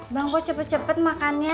bang kok cepet cepet makannya